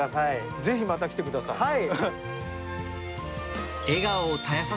ぜひまた来てください。